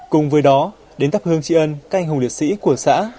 cùng với đó đến tắp hương tri ân các anh hùng liệt sĩ của xã